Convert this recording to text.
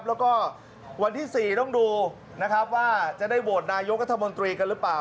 และก็วันที่๔ต้องดูจะได้โหวดนายกกัฎธมนตรีกันหรือเปล่า